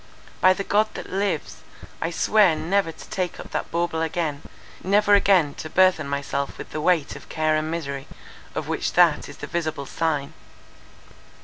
By the God that lives, I swear never to take up that bauble again; never again to burthen myself with the weight of care and misery, of which that is the visible sign.